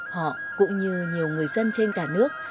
họ cũng như nhiều người dân trên cả nước